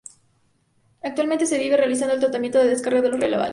Actualmente se viene realizando el tratamiento de descarga de los relaves.